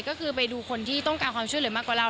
ก็คือไปดูคนที่ต้องการความช่วยเหลือมากกว่าเรา